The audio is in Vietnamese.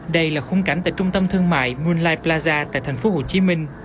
đây là khung cảnh tại trung tâm thương mại moonlight plaza tại tp hcm